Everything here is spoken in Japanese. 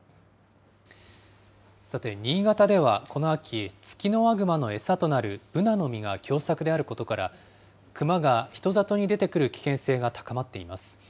さて、新潟ではこの秋、ツキノワグマの餌となるブナの実が凶作であることから、クマが人里に出てくる危険性が高まっています。